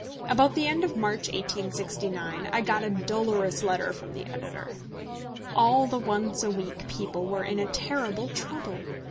About the end of March, 1869, I got a dolorous letter from the editor. All the Once a Week people were in a terrible trouble.